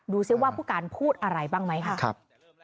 ซิว่าผู้การพูดอะไรบ้างไหมค่ะ